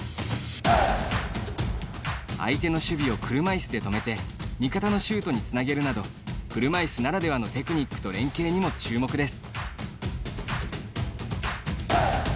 相手の守備を車いすで止めて味方のシュートにつなげるなど車いすならではのテクニックと連係にも注目です。